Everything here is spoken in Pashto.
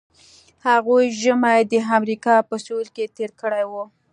هغوی ژمی د امریکا په سویل کې تیر کړی وي